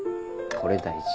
これも大事。